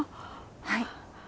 はい。